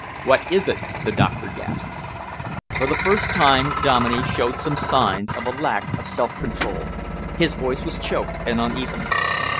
"What is it?" the doctor gasped. For the first time Dominey showed some signs of a lack of self control. His voice was choked and uneven.